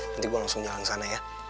nanti gue langsung jalan sana ya